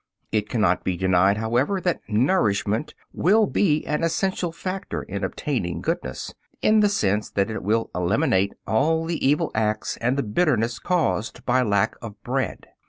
It cannot be denied, however, that nourishment will be an essential factor in obtaining goodness, in the sense that it will eliminate all the evil acts, and the bitterness caused by lack of bread.